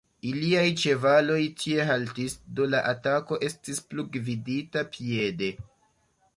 Iliaj ĉevaloj tie haltis, do la atako estis plu gvidita piede.